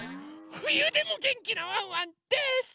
ふゆでもげんきなワンワンです！